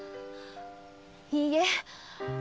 いいえ。